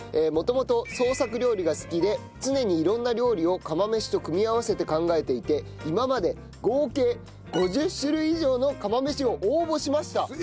元々創作料理が好きで常に色んな料理を釜飯と組み合わせて考えていて今まで合計５０種類以上の釜飯を応募しました。